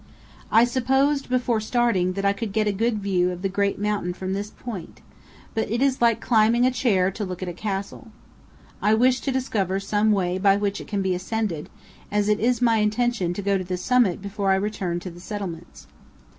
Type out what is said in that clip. I supposed, before starting, that I could get a good view of the great mountain from this point; but it is like climbing a chair to look at a castle. I wish to discover some way by which it can be ascended, as it is my intention to go to the summit before I return to the settlements.